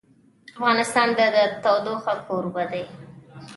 افغانستان د تودوخه کوربه دی.